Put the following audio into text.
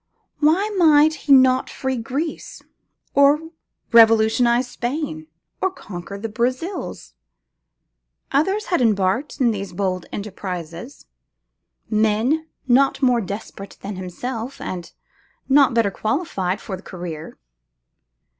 Why might he not free Greece, or revolutionize Spain, or conquer the Brazils? Others had embarked in these bold enterprises; men not more desperate than himself, and not better qualified for the career.